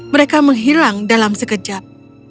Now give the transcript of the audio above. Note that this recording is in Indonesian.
mereka menghilang dalam sekejap